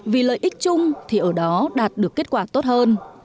vì lợi ích chung thì ở đó đạt được kết quả tốt hơn